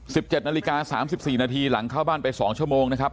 สิบเจ็ดนาฬิกาสามสิบสี่นาทีหลังเข้าบ้านไปสองชั่วโมงนะครับ